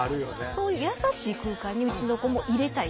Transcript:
そういう優しい空間にうちの子も入れたいとは思いました。